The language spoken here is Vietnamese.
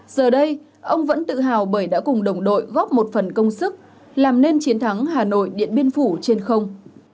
giờ đây ông vẫn tự hào bởi đã cùng đồng đội góp một phần công sức làm nên chiến thắng hà nội điện biên phủ trên không